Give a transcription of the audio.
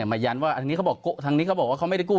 มายันว่าทางนี้เขาบอกทางนี้เขาบอกว่าเขาไม่ได้กู้